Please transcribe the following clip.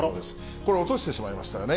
これ、落としてしまいましたよね。